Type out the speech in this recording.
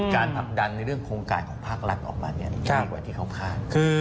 การรับดันโครงกายของภาครัฐออกมากว่าที่เขาคาด